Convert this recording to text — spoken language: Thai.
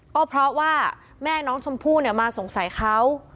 ก็เพราะว่าแม่น้องชมพู่มาสงสัยเขา